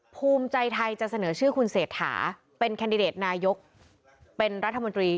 ภูมิใจไทยจะเสนอชื่อคุณเศรษฐาเป็นแคนดิเดตนายกเป็นรัฐมนตรี